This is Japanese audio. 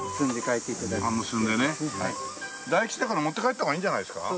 大吉だから持って帰った方がいいんじゃないですか？